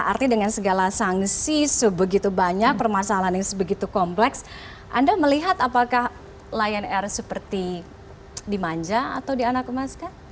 artinya dengan segala sanksi sebegitu banyak permasalahan yang sebegitu kompleks anda melihat apakah lion air seperti dimanja atau dianakmaskan